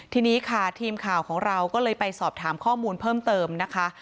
ทีนี้ค่ะทีมข่าวของเราก็เลยไปสอบถามข้อมูลเพิ่มเติมนะคะ